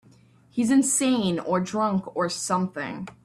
He's insane or drunk or something.